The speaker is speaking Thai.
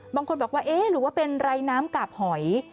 บางคนบอกว่าเอ๊ะหรือว่าเป็นไรน้ำกาบหอย